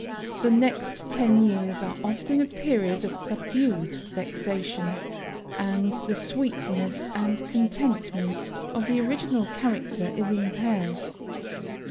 The next ten years are often a period of subdued vexation, and the sweetness and contentment of the original character is impaired.